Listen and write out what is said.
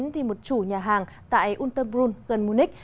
thì một chủ nhà hàng tại unterbrun gần munich